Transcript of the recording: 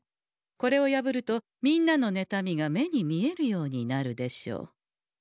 これを破るとみんなのねたみが目に見えるようになるでしょう。